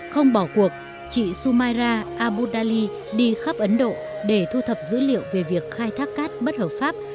không bỏ cuộc chị sumaira abu dhali đi khắp ấn độ để thu thập dữ liệu về việc khai thác cát bất hợp pháp